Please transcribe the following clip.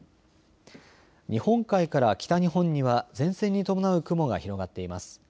日本海から北日本には前線に伴う雲が広がっています。